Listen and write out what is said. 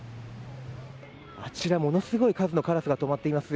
あちらものすごい数のカラスがとまっています。